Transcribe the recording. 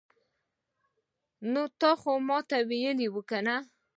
نو تاته خو ما ویلې وو کنه